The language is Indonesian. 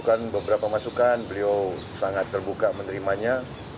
saya beri beberapa masukan beliau sangat terbuka menerimanya